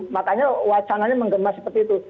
makanya wacananya menggemas seperti itu